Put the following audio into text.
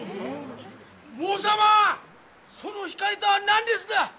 坊様その光とは何ですだ？